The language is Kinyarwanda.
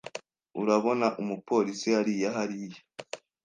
Urabona umupolisi hariya hariya?